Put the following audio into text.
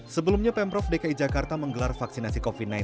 sebelumnya pemprov dki jakarta menggelar vaksinasi covid sembilan belas